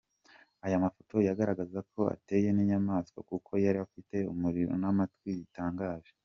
Ayo mafoto yagaragazaga ko ateye nk’inyamaswa kuko yari afite umurizo n’amatwi bitangaje.